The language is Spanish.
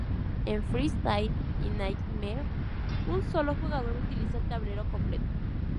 En Freestyle y Nightmare un sólo jugador utiliza el tablero completo.